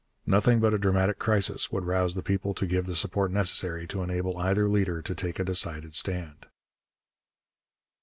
Nothing but a dramatic crisis would rouse the people to give the support necessary to enable either leader to take a decided stand.